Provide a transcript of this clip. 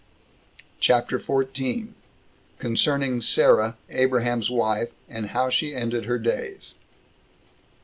CHAPTER 14. Concerning Sarah Abraham's Wife; And How She Ended Her Days.